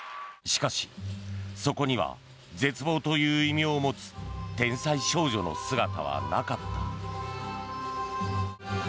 しかし、そこには絶望という異名を持つ天才少女の姿はなかった。